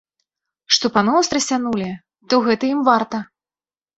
Што паноў страсянулі, то гэта ім варта.